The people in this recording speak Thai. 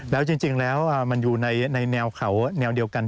แล้วจริงแล้วมันอยู่ในแนวเขาแนวเดียวกัน